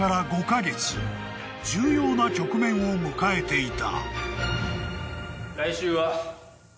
［重要な局面を迎えていた］